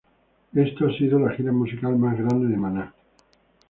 Esta ha sido la gira musical más grande de Maná.